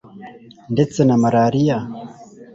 ndetse na malariya